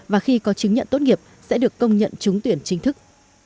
và khi có chứng nhận tốt nghiệp sẽ được công nhận trúng tuyển chính thức